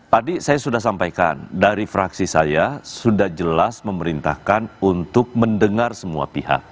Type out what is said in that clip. tadi saya sudah sampaikan dari fraksi saya sudah jelas memerintahkan untuk mendengar semua pihak